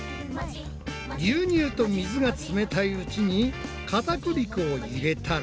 牛乳と水が冷たいうちにかたくり粉を入れたら。